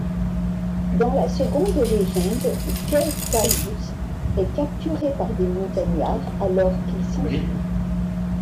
Dans la seconde légende, Kay Kâwus est capturé par des montagnards alors qu'il s'enfuit.